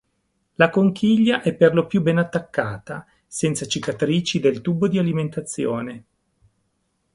La conchiglia è per lo più ben attaccata; senza cicatrici del tubo di alimentazione.